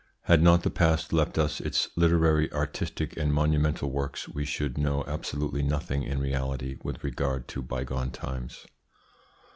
Had not the past left us its literary, artistic, and monumental works, we should know absolutely nothing in reality with regard to bygone times.